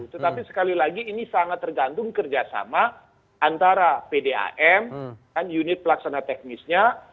tetapi sekali lagi ini sangat tergantung kerjasama antara pdam dan unit pelaksana teknisnya